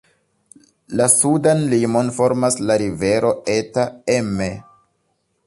La sudan limon formas la rivero Eta Emme.